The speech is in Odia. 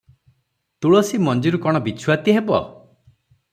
ତୁଳସୀ ମଞ୍ଜିରୁ କଣ ବିଛୁଆତି ହେବ?